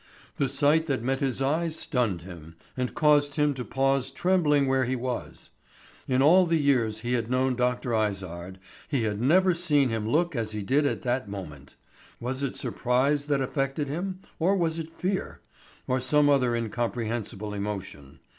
The sight that met his eyes stunned him, and caused him to pause trembling where he was. In all the years he had known Dr. Izard he had never seen him look as he did at that moment. Was it surprise that affected him, or was it fear, or some other incomprehensible emotion?